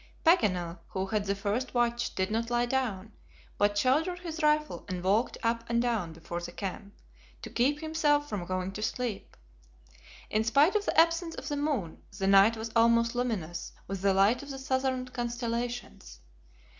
Paganel who had the first watch did not lie down, but shouldered his rifle and walked up and down before the camp, to keep himself from going to sleep. In spite of the absence of the moon, the night was almost luminous with the light of the southern constellations.